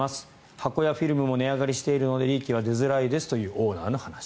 箱やフィルムも値上がりしているので利益は出づらいですというオーナーの話。